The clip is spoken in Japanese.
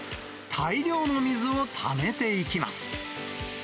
大量の水をためていきます。